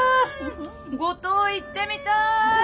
五島行ってみたい！